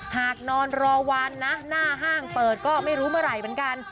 หากนอนรอวันนะหน้าห้างเปิดก็ไม่รู้เมื่อไหร่เหมือนกัน